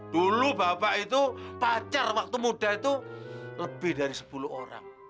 dulu bapak itu pacar waktu muda itu lebih dari sepuluh orang